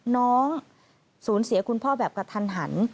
น้องสูญเสียคุณพ่อแบบกระทันหัน